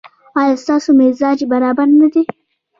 ایا ستاسو مزاج برابر نه دی؟